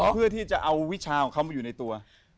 เพื่อที่จะเอาวิชาของเขามาอยู่ในตัว